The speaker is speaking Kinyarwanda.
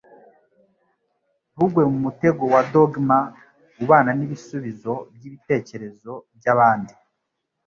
Ntugwe mu mutego wa dogma - ubana n'ibisubizo by'ibitekerezo by'abandi. ”